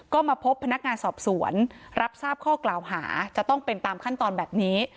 ก็มาพบพนักงานสอบสวนรับทราบข้อกล่าวหาจะต้องเป็นตามขั้นตอนแบบนี้